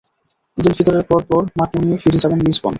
ঈদুল ফিতরের পরপর মাকে নিয়ে ফিরে যাবেন লিসবন।